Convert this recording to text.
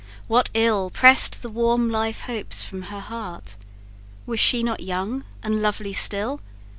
What ill Press'd the warm life hopes from her heart? Was she not young and lovely still?